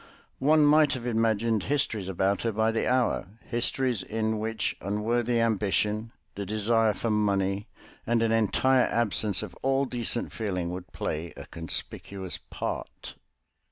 One might have imagined histories about her by the hour, histories in which unworthy ambition, the desire for money, and an entire absence of all decent feeling would play a conspicuous part.